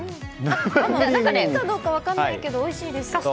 プリンなのか分からないけどおいしいです。